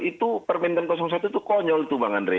itu permentan satu itu konyol tuh bang andre